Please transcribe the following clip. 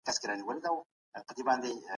تاسو به د نورو په مخ کي په نرمۍ سره غږیږئ.